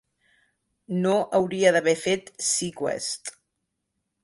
No hauria d'haver fet "seaQuest".